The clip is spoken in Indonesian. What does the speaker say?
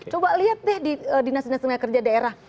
coba lihat deh di dinas dinas tenaga kerja daerah